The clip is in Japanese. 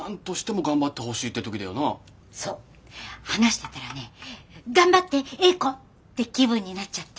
そう話してたらね「頑張って詠子！」って気分になっちゃって。